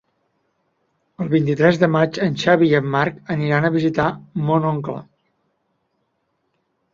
El vint-i-tres de maig en Xavi i en Marc aniran a visitar mon oncle.